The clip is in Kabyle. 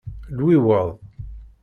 Lwiweḍ.